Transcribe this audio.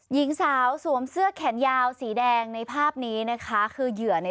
หญิงสาวสวมเสื้อแขนยาวสีแดงในภาพนี้นะคะ